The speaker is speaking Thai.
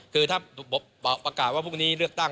คือถ้าประกาศว่าพรุ่งนี้เลือกตั้ง